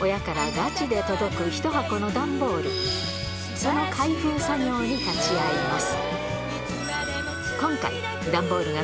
その開封作業に立ち会います